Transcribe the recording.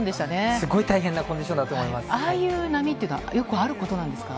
すごい大変なコンディションああいう波っていうのは、よくあることなんですか？